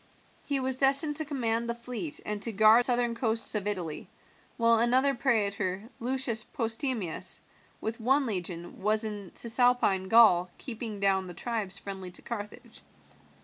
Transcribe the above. He was destined to command the fleet and to guard the southern coasts of Italy, while another praetor, Lucius Postumius, with one legion, was in Cisalpine Gaul keeping down the tribes friendly to Carthage.